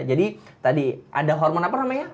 jadi tadi ada hormon apa namanya